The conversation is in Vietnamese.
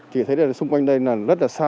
thì thấy là xung quanh đây là rất là xa